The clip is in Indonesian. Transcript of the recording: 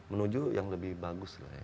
menuju yang lebih bagus lah ya